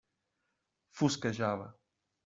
Fosquejava.